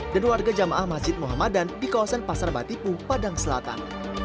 dan warga jamaah masjid muhammadan di kawasan pasar batipu padang selatan